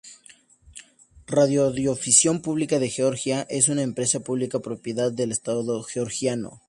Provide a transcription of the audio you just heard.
Radiodifusión Pública de Georgia es una empresa pública, propiedad del estado georgiano.